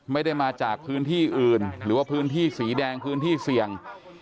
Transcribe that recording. ไม่ได้มาจากพื้นที่อื่นหรือว่าพื้นที่สีแดงพื้นที่เสี่ยง